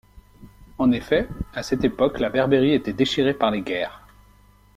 En effet, à cette époque la Berbérie était déchirée par les guerres.